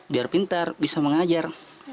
biar pintar bisa mengajar